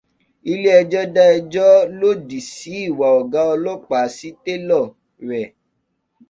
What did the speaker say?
Ilé-ẹjọ́ dá ẹjọ́ lòdì sí ìwà ọ̀gá ọlọ́pàá sí télọ̀ rẹ̀.